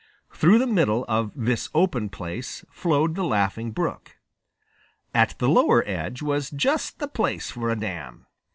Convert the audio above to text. Through the middle of this open place flowed the Laughing Brook. At the lower edge was just the place for a dam.